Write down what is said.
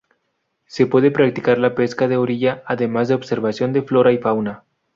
Se puede practicar la pesca de orilla además de observación de flora y fauna.